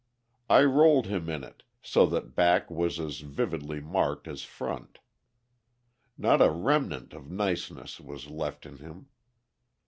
I rolled him in it, so that back was as vividly marked as front. Not a remnant of niceness was left in him.